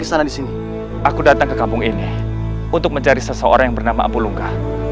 aku datang ke kampung ini untuk mencari seseorang yang bernama apulungka